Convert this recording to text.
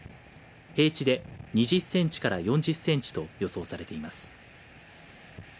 平地で２０センチから４０センチと予想されています。